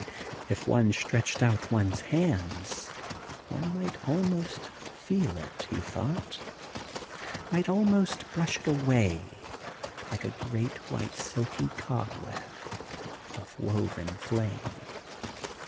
If one stretched out one's hands, one might almost feel it, he thought, might almost brush it away like a great white silky cobweb of woven flame.